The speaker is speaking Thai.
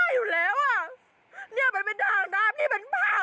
ไม่มีเลยบ้านอิศกะหวะมันก็ติดทำไมมีทหารมีความกำลัง